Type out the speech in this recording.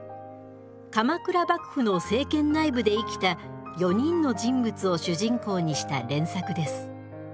鎌倉幕府の政権内部で生きた４人の人物を主人公にした連作です。